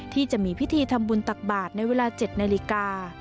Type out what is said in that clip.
ที่จะมีพิธีทำบุญตักบาทในเวลา๗นาฬิกา